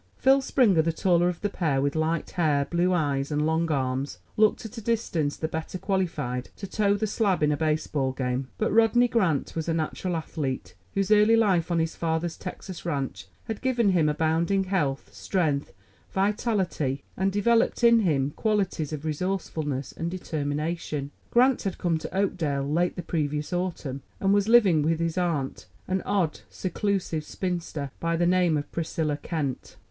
Phil Springer, the taller of the pair, with light hair, blue eyes, and long arms, looked at a distance the better qualified to toe the slab in a baseball game; but Rodney Grant was a natural athlete, whose early life on his father's Texas ranch had given him abounding health, strength, vitality, and developed in him qualities of resourcefulness and determination. Grant had come to Oakdale late the previous autumn, and was living with his aunt, an odd, seclusive spinster, by the name of Priscilla Kent.